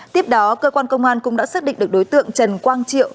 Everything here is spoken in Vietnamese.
tiếp đó cơ quan công an cũng đã xác định được đối tượng trần quang triệu